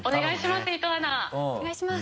お願いします